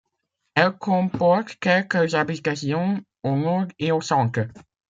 Elle comporte quelques habitations au nord et au centre.